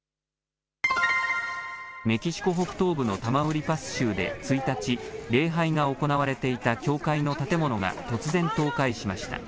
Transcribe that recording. メキシコ北東部のタマウリパス州で１日、礼拝が行われていた教会の建物が突然倒壊しました。